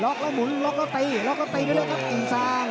ล็อกแล้วหมุนล็อกแล้วตีล็อกแล้วตีด้วยนะครับอิงซาง